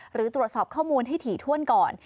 หรือตรวจสอบข้อมูลให้ถี่ถ้วนก่อน